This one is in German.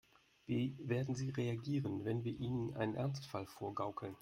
Wie werden sie reagieren, wenn wir ihnen einen Ernstfall vorgaukeln?